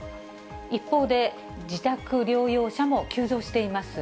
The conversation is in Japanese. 一方で、自宅療養者も急増しています。